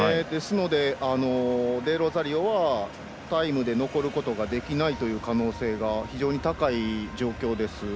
デロザリオはタイムで残ることができない可能性が非常に高い状況です。